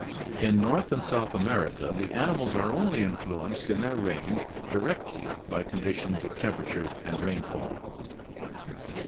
In North and South America the animals are only influenced in their range directly by condi tions of temperature and rainfall.